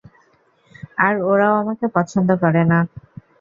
আর ওরাও আমাকে পছন্দ করেনা।